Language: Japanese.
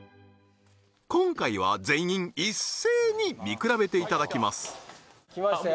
今回は全員一斉に見比べていただきます来ましたよ